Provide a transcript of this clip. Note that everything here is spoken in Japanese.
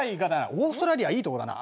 オーストラリアはいいとこだな